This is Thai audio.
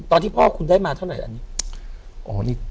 ตอนที่พ่อคุณได้มาเท่าไหร่อันนี้